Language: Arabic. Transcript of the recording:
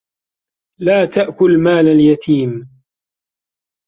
لاتأكل مال اليتيم